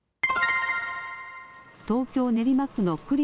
東京練馬区の区立